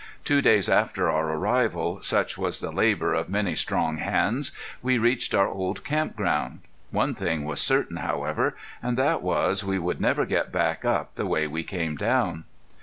Two hours after our arrival, such was the labor of many strong hands, we reached our old camp ground. One thing was certain, however, and that was we would never get back up the way we came down.